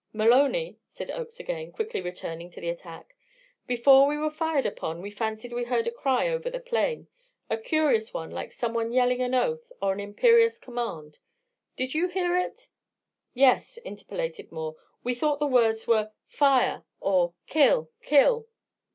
"Maloney," said Oakes again, quickly returning to the attack, "before we were fired upon we fancied we heard a cry over the plain, a curious one like someone yelling an oath or an imperious command. Did you hear it?" "Yes," interpolated Moore. "We thought the words were 'Fire!' or 'Kill! kill!'"